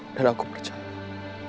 bella aku percaya